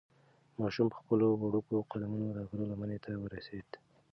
ماشوم په خپلو وړوکو قدمونو د غره لمنې ته ورسېد.